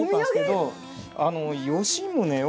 吉宗を。